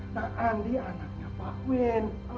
nah andi anaknya pak win